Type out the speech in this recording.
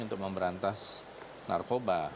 untuk memberantas narkoba